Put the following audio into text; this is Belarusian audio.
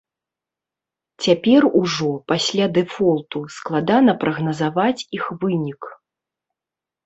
Цяпер ужо, пасля дэфолту, складана прагназаваць іх вынік.